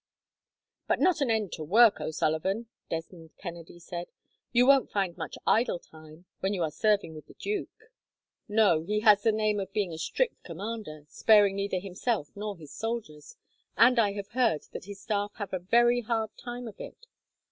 "But not an end to work, O'Sullivan," Desmond Kennedy said. "You won't find much idle time, when you are serving with the duke." "No. He has the name of being a strict commander, sparing neither himself nor his soldiers; and I have heard that his staff have a very hard time of it.